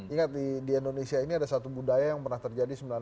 ingat di indonesia ini ada satu budaya yang pernah terjadi